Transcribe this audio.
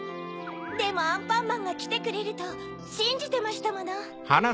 でもアンパンマンがきてくれるとしんじてましたもの。